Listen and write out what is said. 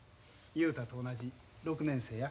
雄太と同じ６年生や。